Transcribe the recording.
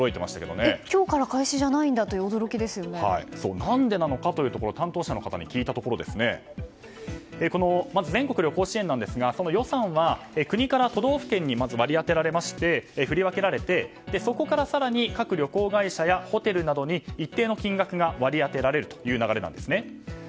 と今日から開始じゃ何でなのかというところ担当者の方に聞いたところまず、全国旅行支援ですが予算は国から都道府県に割り当てられまして振り分けられてそこから更に各旅行会社やホテルなどに一定の金額が割り当てられるという流れなんですね。